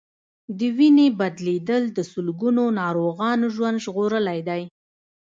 د وینې بدلېدل د سلګونو ناروغانو ژوند ژغورلی دی.